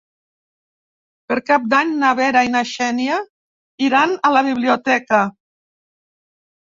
Per Cap d'Any na Vera i na Xènia iran a la biblioteca.